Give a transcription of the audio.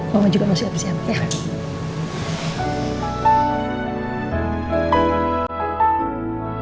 mama juga mau siap siap ya